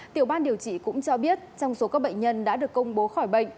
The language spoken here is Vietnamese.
tiểu ban điều trị cũng cho biết trong số các bệnh nhân đã được công bố khỏi bệnh